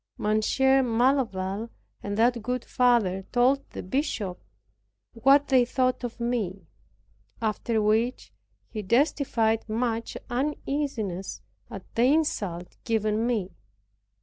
Monsieur Malaval and that good father told the bishop what they thought of me; after which he testified much uneasiness at the insult given me.